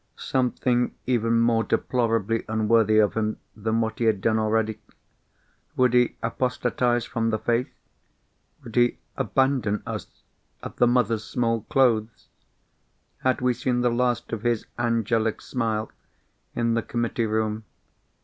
Something even more deplorably unworthy of him than what he had done already? Would he apostatise from the faith? Would he abandon us at the Mothers' Small Clothes? Had we seen the last of his angelic smile in the committee room?